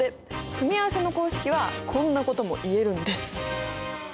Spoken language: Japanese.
組み合わせの公式はこんなことも言えるんです。